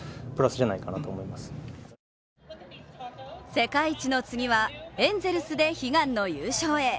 世界一の次は、エンゼルスで悲願の優勝へ。